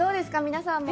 皆さんも。